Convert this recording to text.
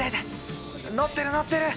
乗ってる乗ってる！